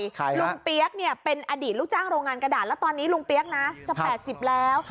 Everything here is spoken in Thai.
ลุงเปี๊ยกเนี่ยเป็นอดีตลูกจ้างโรงงานกระดาษแล้วตอนนี้ลุงเปี๊ยกนะจะ๘๐แล้ว